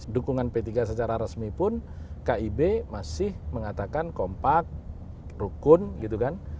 dukungan p tiga secara resmi pun kib masih mengatakan kompak rukun gitu kan